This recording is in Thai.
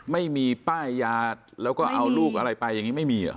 ไม่มีป้ายยาแล้วก็เอาลูกอะไรไปอย่างนี้ไม่มีเหรอ